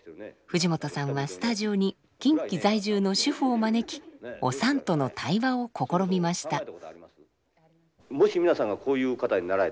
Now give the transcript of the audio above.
藤本さんはスタジオに近畿在住の主婦を招きおさんとの対話を試みました。